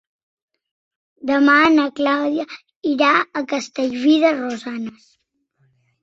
Demà na Clàudia irà a Castellví de Rosanes.